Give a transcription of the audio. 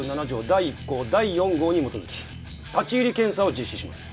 第１項第４号に基づき立入検査を実施します。